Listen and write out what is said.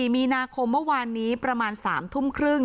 มีนาคมเมื่อวานนี้ประมาณ๓ทุ่มครึ่ง